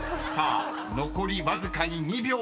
［残りわずかに２秒１２］